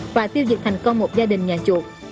và tiêu diệt thành công một gia đình nhà chuột